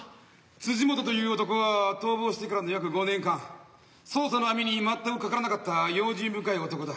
辻本という男は逃亡してからの約５年間捜査の網にまったく掛からなかった用心深い男だ。